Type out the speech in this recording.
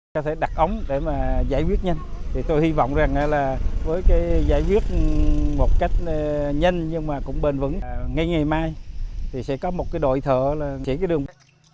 tôi có thể đặt ống để giải quyết nhanh tôi hy vọng với giải quyết một cách nhanh nhưng bền vững ngay ngày mai sẽ có một đội thợ chỉ đường